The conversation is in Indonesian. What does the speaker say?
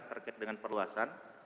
terkait dengan perluasan